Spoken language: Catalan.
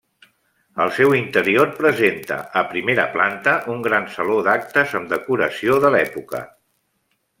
El seu interior presenta, a primera, planta, un gran saló d'actes amb decoració de l'època.